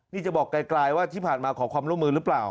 นี่จะบอกไกลว่าที่ผ่านมาขอความร่วมมือหรือเปล่า